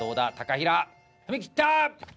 平踏み切った！